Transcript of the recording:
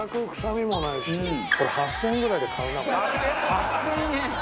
８０００円！